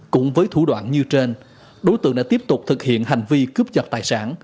cũng với thủ đoạn như trên đối tượng đã tiếp tục thực hiện hành vi cướp giật tài sản